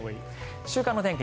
週間の天気